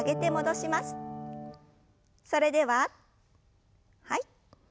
それでははい。